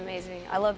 saya suka berlari